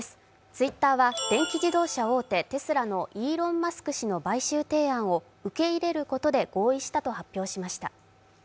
ツイッターは電気自動車大手テスラの最高経営責任者のイーロン・マスク氏の買収提案を受け入れることで合意したと発表しました。